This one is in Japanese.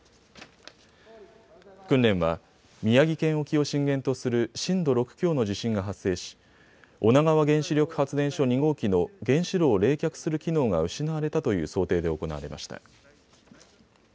訓練は宮城県沖を震源とする震度６強の地震が発生し女川原子力発電所２号機の原子炉を冷却する機能が失われたという想定で行われました。